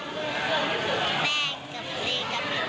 หนูก็ไม่ได้เขียนเลย